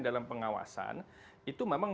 dalam pengawasan itu memang